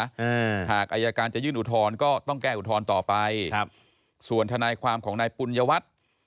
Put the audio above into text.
หากอายการจะยื่นอุทธรณ์ก็ต้องแก้อุทธรณ์ต่อไปครับส่วนทนายความของนายปุญญวัตร